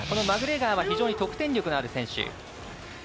マグレガーは非常に得点力のある選手。